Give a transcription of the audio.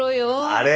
あれ？